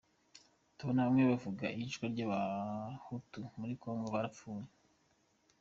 Tubona bamwe bavuga iyicwa ry’Abahutu muri Congo, barapfuye.